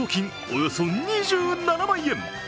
およそ２７万円。